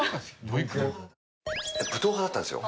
武闘派だったんですよ